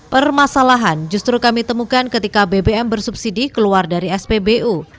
permasalahan justru kami temukan ketika bbm bersubsidi keluar dari spbu